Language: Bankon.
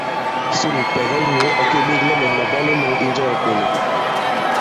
Sôn, tɛ̀gɛs nyǔ ɔ̀ kê-beglɛ mɛ̀ màbwalo mɔ̄ŋ i Njɛɛ̄-Kōlo.